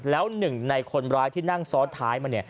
แล้ว๑ในคนร้ายที่นั่งซ้อนท้ายมา